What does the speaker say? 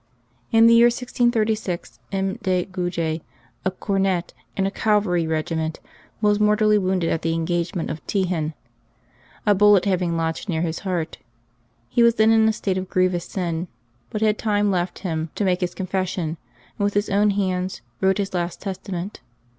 In the year 1636, M. de Gnge, a cornet in a cav alry regiment, was mortally wounded at the engagement of Tehin, a bullet having lodged near his heart. He was then in a state of grievous sin, but had time left him to make his confession, and with his own hands wrote his last testa ment.